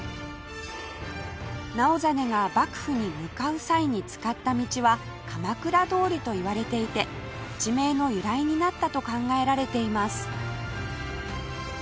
直実が幕府に向かう際に使った道は鎌倉通りと言われていて地名の由来になったと考えられています